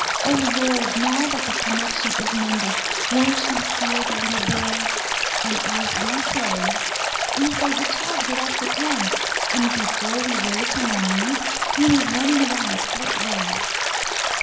Oh, Lord now that the connection is mended, won't you heal the little boy?' And as we prayed we heard the child get off the kang, and before we rose from our knees he was running around quite well."